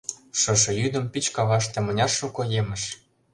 Шошо йӱдым Пич каваште мыняр шуко емыж!